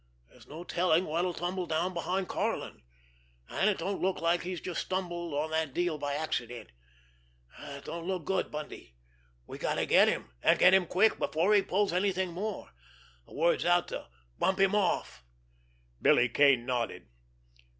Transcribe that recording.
There's no telling what'll tumble down behind Karlin. And it don't look like he's just stumbled on that deal by accident. It don't look good, Bundy. We got to get him, and get him quick, before he pulls anything more. The word's out to bump him off." Billy Kane nodded.